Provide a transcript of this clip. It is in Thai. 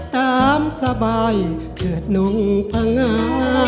ตามสบายเผิดนุ่งพงา